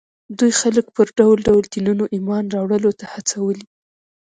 دوی خلک پر ډول ډول دینونو ایمان راوړلو ته هڅولي